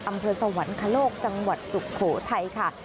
อำเภอสวรรคโลกจังหวัดสุโขทัยค่ะ